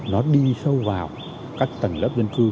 nó đi sâu vào các tầng lớp dân cư